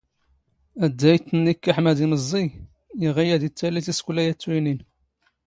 ⴰⴷⴷⴰⵢ ⵜⵜ ⵉⵏⵏ ⵉⴽⴽⴰ ⵃⵎⴰⴷ ⵉⵎⵥⵥⵉⵢ, ⵉⵖⵉⵢ ⴰⴷ ⵉⵜⵜⴰⵍⵉ ⵙ ⵉⵙⴽⵯⵍⴰ ⴰⵜⵜⵓⵢⵏⵉⵏ.